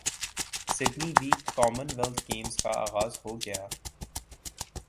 Sydney ویں Commonwealth Games کا اغاز ہو گیا